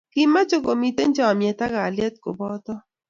Kimeche komito chomiet ak kalyet kubotok